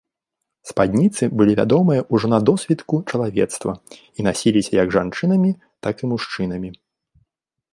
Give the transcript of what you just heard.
Спадніцы былі вядомыя ўжо на досвітку чалавецтва і насіліся як жанчынамі, так і мужчынамі.